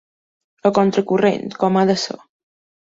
A contracorrent, com ha de ser.